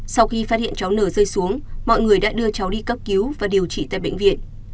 sau khi phát hiện cháu nờ rơi xuống mọi người đã đưa cháu đi cấp cứu và điều trị tại bệnh viện